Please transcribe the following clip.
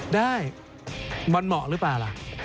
ได้มันเหมาะหรือเปล่าล่ะ